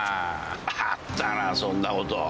あったなそんなこと。